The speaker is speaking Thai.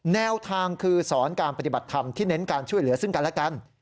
แนวทางคือสอนการปฏิบัติธรรมที่เน้นการช่วยเหลือซึ่งกันและกัน